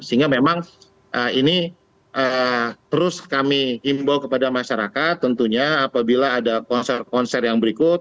sehingga memang ini terus kami himbau kepada masyarakat tentunya apabila ada konser konser yang berikut